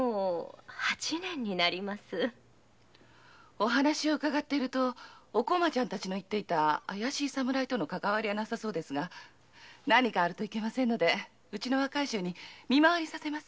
お話を伺っていると怪しい侍とのかかわりはなさそうですが何かあるといけませんのでうちの若い衆に見回りさせます。